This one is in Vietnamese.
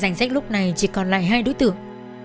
danh sách lúc này chỉ còn lại hai đối tượng